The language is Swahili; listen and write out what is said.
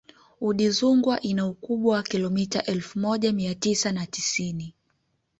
udzungwa ina ukubwa wa kilomita elfu moja mia tisa na tisini